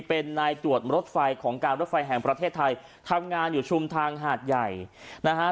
เป็นนายตรวจรถไฟของการรถไฟแห่งประเทศไทยทำงานอยู่ชุมทางหาดใหญ่นะฮะ